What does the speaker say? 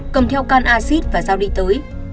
cầm theo can acid và giao đi tới